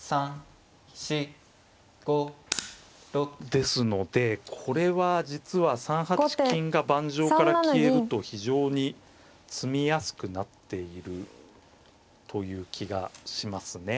ですのでこれは実は３八金が盤上から消えると非常に詰みやすくなっているという気がしますね。